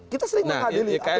kita sering menghadili